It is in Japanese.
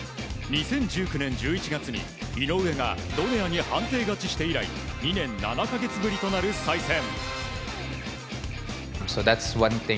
２０１９年１１月に井上がドネアに判定勝ちして以来２年７か月ぶりとなる再戦。